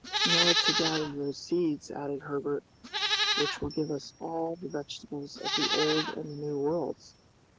"Nor to gather those seeds," added Herbert, "which will give us all the vegetables of the Old and the New Worlds."